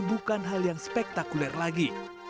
bukan hal yang spektakuler lagi